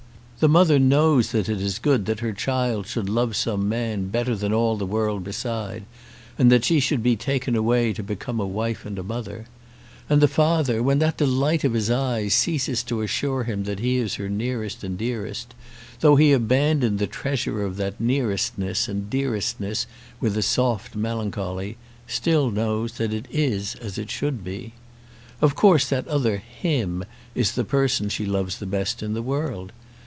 The mother knows that it is good that her child should love some man better than all the world beside, and that she should be taken away to become a wife and a mother. And the father, when that delight of his eyes ceases to assure him that he is her nearest and dearest, though he abandon the treasure of that nearestness and dearestness with a soft melancholy, still knows that it is as it should be. Of course that other "him" is the person she loves the best in the world.